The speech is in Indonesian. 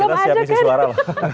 kita siapin suara loh